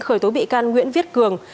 khởi tố bị can nguyễn viết cường